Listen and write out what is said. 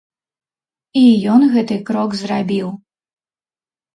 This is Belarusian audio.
І ён гэты крок зрабіў.